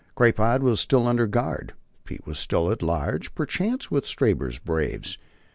Crapaud was still under guard. Pete was still at large, perchance, with Stabber's braves.